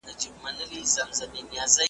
او د افغانستان د جغرافیایي-تاریخي هویت